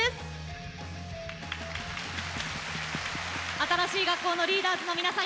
新しい学校のリーダーズの皆さん